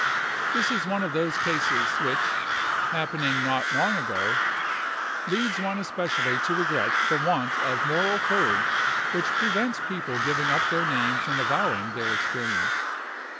This is one of those cases which—happening not long ago—leads one especially to regret the want of moral courage which prevents people giving up their names and avowing their experience.